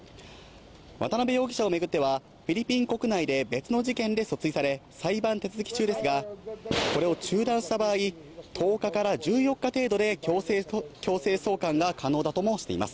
渡辺容疑者を巡っては、フィリピン国内で別の事件で訴追され、裁判手続き中ですが、これを中断した場合、１０日から１４日程度で強制送還が可能だともしています。